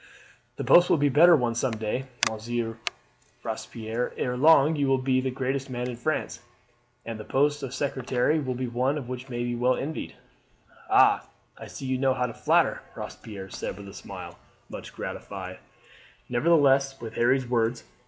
"The post will be a better one some day, Monsieur Robespierre. Ere long you will be the greatest man in France, and the post of secretary will be one which may well be envied." "Ah, I see you know how to flatter," Robespierre said with a smile, much gratified nevertheless with Harry's words.